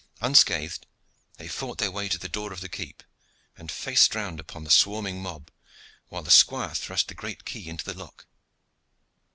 Unscathed they fought their way to the door of the keep, and faced round upon the swarming mob, while the squire thrust the great key into the lock.